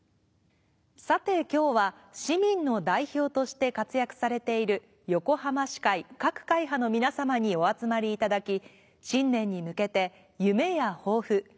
さて今日は市民の代表として活躍されている横浜市会各会派の皆様にお集まりいただき新年に向けて夢や抱負